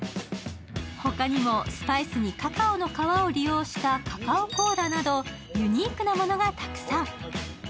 ほかにも、スパイスにカカオの皮を利用したカカオコーラなどユニークなものがたくさん。